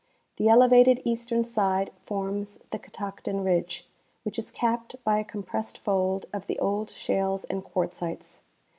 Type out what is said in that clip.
The elevated eastern side forms the Catoctin ridge, which is capped by a com pressed fold of the old shales and quartzites.